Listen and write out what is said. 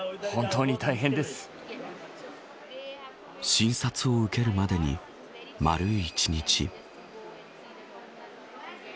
診察を受けるまでに丸１日。